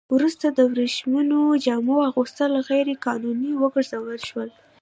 وروسته د ورېښمينو جامو اغوستل غیر قانوني وګرځول شول.